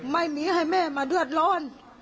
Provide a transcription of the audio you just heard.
มันมีแม่ด้วยมันมีแม่ด้วย